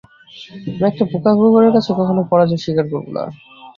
আমি একটা বোকা কুকুরের কাছে কখনোই পরাজয় স্বীকার করবো না।